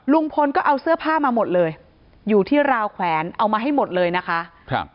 ลุงพลก็เอาเสื้อผ้ามาหมดเลยอยู่ที่ราวแขวนเอามาให้หมดเลยนะคะครับ